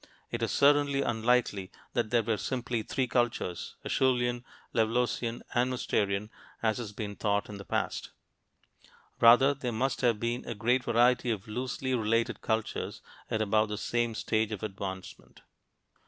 It is certainly unlikely that there were simply three cultures, "Acheulean," "Levalloisian," and "Mousterian," as has been thought in the past. Rather there must have been a great variety of loosely related cultures at about the same stage of advancement.